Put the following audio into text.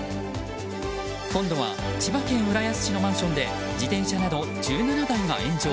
今度は千葉県浦安市のマンションで自転車など１７台が炎上。